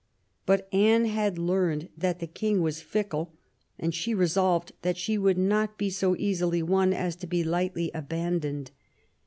But Anne had learned that the king was fickle, and she resolved that she would not be so easily won as to be lightly abandoned.